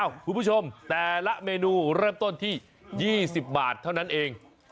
คุณผู้ชมแต่ละเมนูเริ่มต้นที่๒๐บาทเท่านั้นเอง